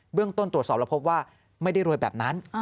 เรื่องต้นตรวจสอบแล้วพบว่าไม่ได้รวยแบบนั้น